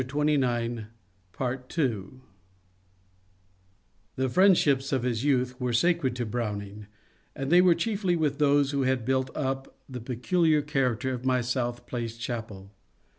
26 MONCURE DANIEL CONWAY The friendships of his youth were sacred to Browning, and they were chiefly with those who had built up the peculiar character of my South Place chapel.